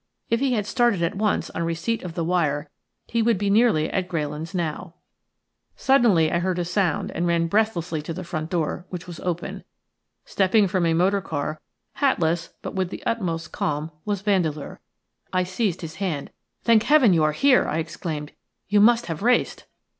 If he had started at once on receipt of the wire he would be nearly at Greylands now. Suddenly I heard a sound and ran breathlessly to the front door, which was open. Stepping from a motor car, hatless but with the utmost calm, was Vandeleur. I seized his hand. "Thank Heaven you are here!" I exclaimed. "You must have raced."